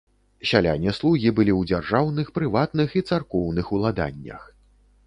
Сяляне-слугі былі ў дзяржаўных, прыватных і царкоўных уладаннях.